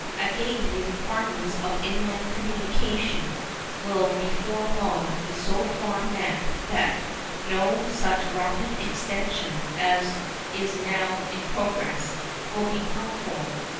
Again, the requirements of inland communication will before long be so far met that no such rapid extension as is now in progress will be called for.